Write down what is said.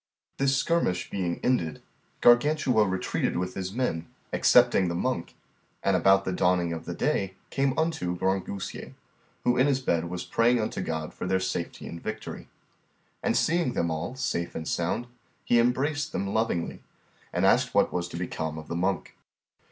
This skirmish being ended, Gargantua retreated with his men, excepting the monk, and about the dawning of the day they came unto Grangousier, who in his bed was praying unto God for their safety and victory. And seeing them all safe and sound, he embraced them lovingly, and asked what was become of the monk.